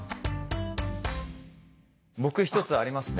僕１つありますね。